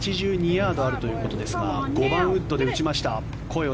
１８２ヤードあるということですが５番ウッドで打ちました。